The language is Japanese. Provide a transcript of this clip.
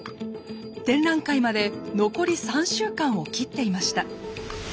展覧会まで残り３週間を切っていました。